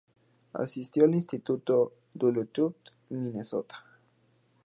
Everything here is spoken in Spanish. Asistió al instituto en Duluth, Minnesota.